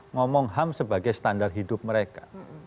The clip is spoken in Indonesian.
ngomong ham sebagai standar hidup mereka